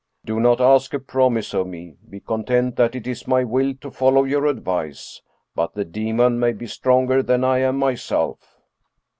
" Do not ask a promise of me; be content that it is my will to follow your advice. But the demon may be stronger than I am my self."